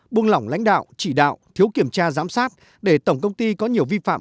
buông lỏng lãnh đạo chỉ đạo thiếu kiểm tra giám sát để tổng công ty có nhiều vi phạm